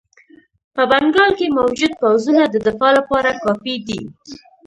په بنګال کې موجود پوځونه د دفاع لپاره کافي دي.